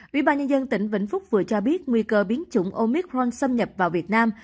vĩ bàn nhân dân tỉnh vĩnh phúc vừa cho biết nguy cơ biến chủng omicron xâm nhập vào việt nam